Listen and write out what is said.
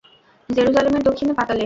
জেরুজালেমের দক্ষিণে, পাতালে।